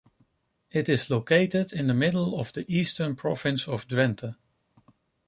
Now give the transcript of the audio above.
It is located in the middle of the eastern province of Drenthe.